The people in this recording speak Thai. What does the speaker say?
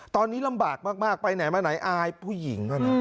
ตอนนี้ลำบากมากไปไหนมาไหนอายผู้หญิง